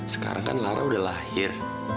sekarang kan lara udah lahir